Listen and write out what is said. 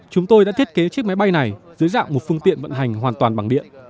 chúng tôi đã thiết kế chiếc máy bay này dưới dạng một phương tiện vận hành hoàn toàn bằng điện